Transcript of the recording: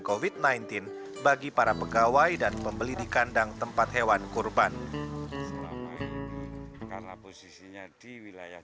covid sembilan belas bagi para pegawai dan pembeli di kandang tempat hewan kurban karena posisinya di wilayah